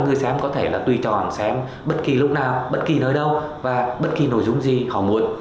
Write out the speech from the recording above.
người xem có thể là tùy chọn xem bất kỳ lúc nào bất kỳ nơi đâu và bất kỳ nội dung gì họ muốn